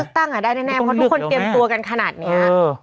ตั้งได้แน่เพราะทุกคนเตรียมตัวกันขนาดนี้